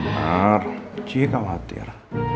bener enggak khawatir